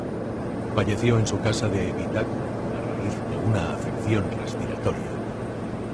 Falleció en su casa de Vitacura a raíz de una afección respiratoria.